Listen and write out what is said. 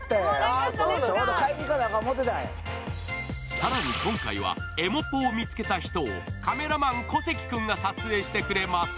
更に今回はエモポを見つけた人をカメラマン・小関君が撮影してくれます。